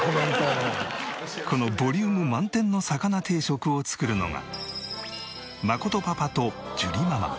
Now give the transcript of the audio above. このボリューム満点の魚定食を作るのが。